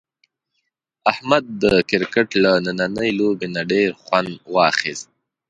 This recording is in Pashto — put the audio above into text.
احمد د کرکټ له نننۍ لوبې نه ډېر خوند واخیست.